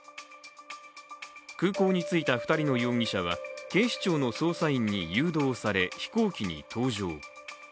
空港に着いた２人の容疑者は警視庁の捜査員に誘導され、飛行機に搭乗。